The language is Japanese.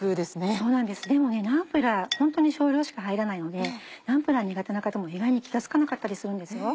そうなんですでもナンプラー本当に少量しか入らないのでナンプラー苦手な方も意外に気が付かなかったりするんですよ。